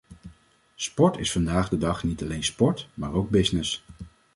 Sport is vandaag de dag niet alleen sport, maar ook business.